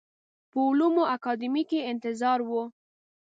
په علومو اکاډمۍ کې یې انتظار و.